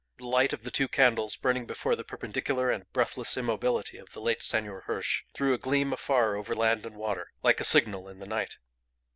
The light of the two candles burning before the perpendicular and breathless immobility of the late Senor Hirsch threw a gleam afar over land and water, like a signal in the night.